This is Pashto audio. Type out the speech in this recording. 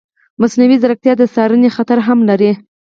مصنوعي ځیرکتیا د څارنې خطر هم لري.